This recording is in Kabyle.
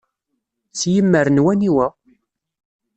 S yimmer n waniwa?